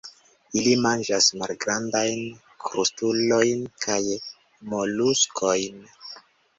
Ili manĝas malgrandajn krustulojn kaj moluskojn.